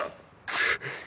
くっ。